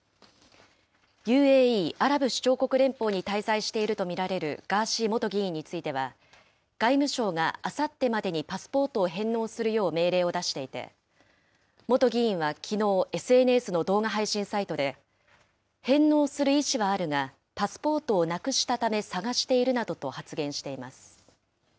ＵＡＥ・アラブ首長国連邦に滞在していると見られるガーシー元議員については、外務省があさってまでにパスポートを返納するよう命令を出していて、元議員はきのう、ＳＮＳの動画配信サイトで、返納する意思はあるが、パスポートをなくしたため探しているなどと発言しています。